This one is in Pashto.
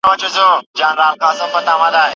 ملي عاید په ځانګړي وخت کي اندازه کیږي.